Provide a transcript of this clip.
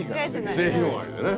末広がりでね